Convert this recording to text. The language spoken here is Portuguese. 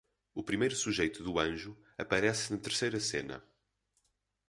O primeiro sujeito do anjo aparece na terceira cena.